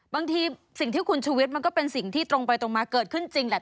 บางทีสิ่งที่คุณชูวิทย์มันก็เป็นสิ่งที่ตรงไปตรงมาเกิดขึ้นจริงแหละ